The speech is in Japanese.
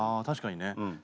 確かにね。